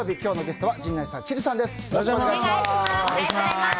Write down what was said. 月曜日、今日のゲストは陣内さん、千里さんです。